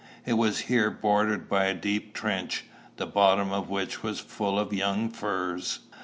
It was here bordered by a deep trench, the bottom of which was full of young firs.